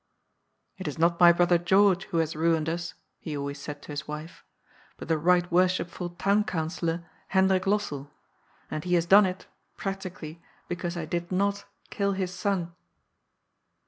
" It is not my brother George who has ruined us," he always said to his wife, " but the Sight Worshipful Town Councillor, Hendrik Lossell. And he has done it, practically, because I did not kill his son."